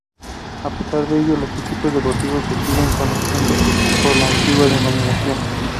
A pesar de ello, los equipos deportivos se siguen conociendo por la antigua denominación.